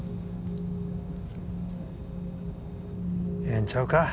ええんちゃうか？